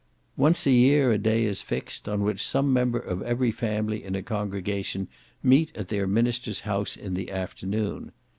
Once a year a day is fixed, on which some member of every family in a congregation meet at their minister's house in the afternoon.